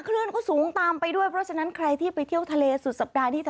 คลื่นก็สูงตามไปด้วยเพราะฉะนั้นใครที่ไปเที่ยวทะเลสุดสัปดาห์นี้